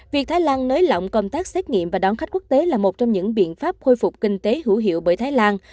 việc thái lan nới lỏng công tác xét nghiệm và đón khách quốc tế là một trong những biện pháp khôi phục kinh tế hữu hiệu bởi thái lan